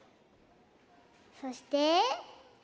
そして「辰」！